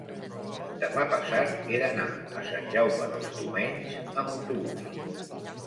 demà passat he d'anar a Sant Jaume dels Domenys amb autobús.